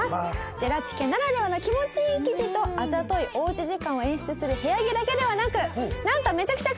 ジェラピケならではの気持ちいい生地とあざといおうち時間を演出する部屋着だけではなくなんとめちゃくちゃ可愛い小物アイテムもできました！